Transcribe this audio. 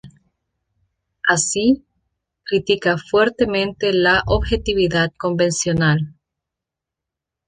Así, critica fuertemente la objetividad convencional.